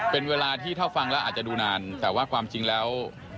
เป็นเวลาที่ถ้าฟังแล้วอาจจะดูนานแต่ว่าความจริงแล้ว